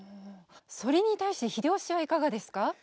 それに対して秀吉はいかがですか？